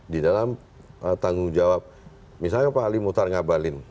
di dalam tanggung jawab misalnya pak ali mutar ngabalin